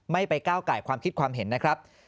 ไม่ไปก้าวไก่ความคิดความเห็นนะครับ